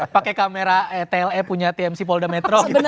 pakai kamera etle punya tmc polda metro